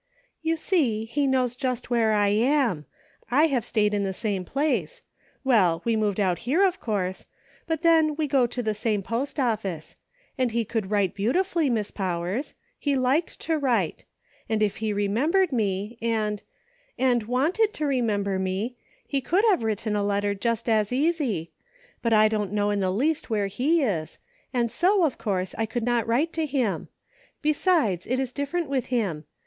"You see, he knows just where I am; I have stayed in the same place — well, we moved out here, of course ; but then, we go to the same post office. And he could write beautifully. Miss Pow 82 "WILL YOU ?" ers ; he liked to write. If he remembered me, and — and wanted to remember me, he could have written a letter just as easy ! But I don't know in the least where he is, and so, of course, I could not write to him. Besides, it is different with him.